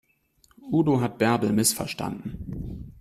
Udo hat Bärbel missverstanden.